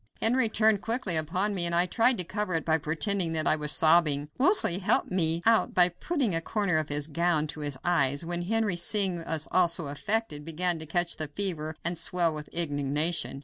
Henry turned quickly upon me, and I tried to cover it by pretending that I was sobbing. Wolsey helped me out by putting a corner of his gown to his eyes, when Henry, seeing us all so affected, began to catch the fever and swell with indignation.